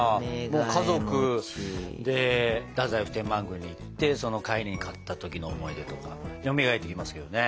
家族で太宰府天満宮に行ってその帰りに買った時の思い出とかよみがえってきますけどね。